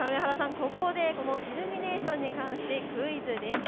ここでこのイルミネーションに関してクイズです。